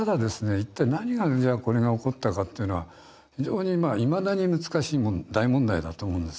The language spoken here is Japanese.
一体何がじゃあこれが起こったかっていうのは非常にいまだに難しい大問題だと思うんです。